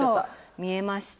見えました。